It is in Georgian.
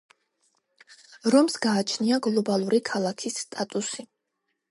რომს გააჩნია გლობალური ქალაქის სტატუსი.